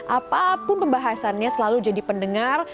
apapun pembahasannya selalu jadi pendengar